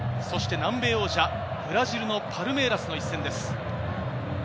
そして南米王者、ブラジルのパルメイラスの一戦です。